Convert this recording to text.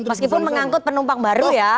meskipun mengangkut penumpang baru ya